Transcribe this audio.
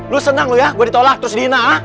lu senang lu ya gue ditolak terus dina